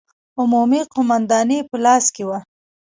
عمومي قومانداني په لاس کې وه.